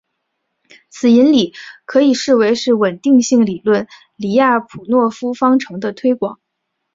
此引理可以视为是稳定性理论李亚普诺夫方程的推广。